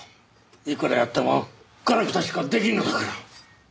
いくらやってもガラクタしか出来んのだから。